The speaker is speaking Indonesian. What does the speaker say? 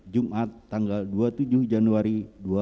jumat tanggal dua puluh tujuh januari dua ribu dua puluh